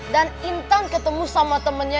dan intan ketemu sama temennya